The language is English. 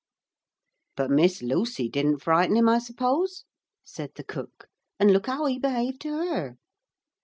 'But Miss Lucy didn't frighten him, I suppose,' said the cook; 'and look how he behaved to her.'